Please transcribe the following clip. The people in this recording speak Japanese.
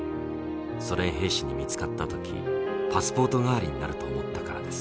ソ連兵士に見つかった時パスポート代わりになると思ったからです。